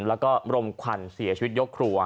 แล้วก็รมควันเสียชีวิตยกครัว